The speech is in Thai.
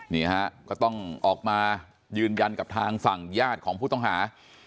นี่ฮะก็ต้องออกมายืนยันกับทางฝั่งญาติของผู้ต้องหา